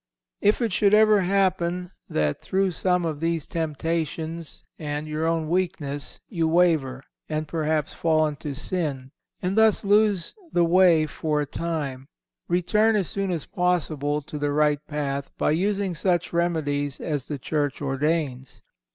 If it should ever happen that through some of these temptations and your own weakness, you waver and perhaps fall into sin, and thus lose the way for a time, return as soon as possible to the right path by using such remedies as the Church ordains.